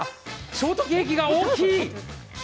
ショートケーキが大きい！